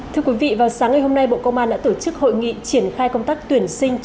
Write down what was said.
thưa quý vị vào sáng ngày hôm nay bộ công an đã tổ chức hội nghị triển khai công tác tuyển sinh